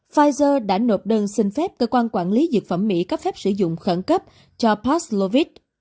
pfizer đã nộp đơn xin phép cơ quan quản lý dược phẩm mỹ cấp phép sử dụng khẩn cấp cho pastlovit